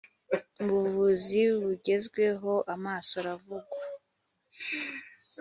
mu buvuzi bugezweho amaso aravugwa